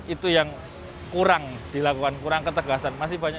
itu yang kurang dilakukan kurang ketegasan